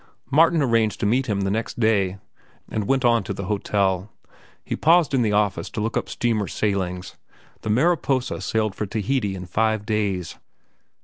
Martin arranged to meet him next day, and went on to the hotel. He paused in the office to look up steamer sailings. The Mariposa sailed for Tahiti in five days.